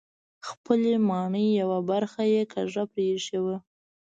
خپلې ماڼۍ یوه برخه یې کږه پرېښې وه.